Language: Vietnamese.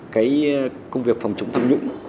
cái công việc phòng chống tham nhũng